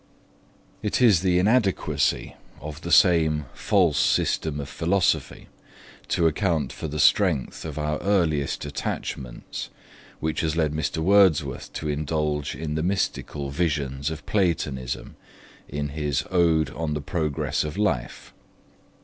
It is the inadequacy of the same false system of philosophy to account for the strength of our earliest attachments, which has led Mr. Wordsworth to indulge in the mystical visions of Platonism in his Ode on the Progress of Life.